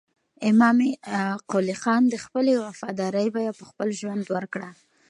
امام قلي خان د خپلې وفادارۍ بیه په خپل ژوند ورکړه.